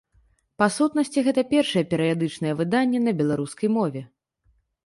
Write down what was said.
Па сутнасці гэта першае перыядычнае выданне на беларускай мове.